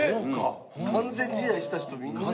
完全試合した人みんな１７。